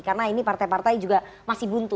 karena ini partai partai juga masih buntu